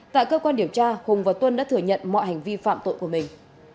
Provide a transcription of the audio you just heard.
tại cơ quan điều tra hùng và tuân đã thừa nhận mọi hành vi phạm tội của mình